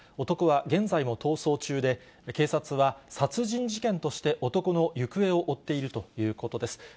男は現在も逃走中で、警察は殺人事件として、男の行方を追っているということです。